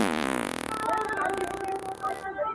ته په زولنو کي د زندان حماسه ولیکه.